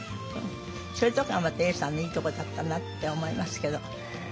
そいうとこがまた永さんのいいとこだったなって思いますけど。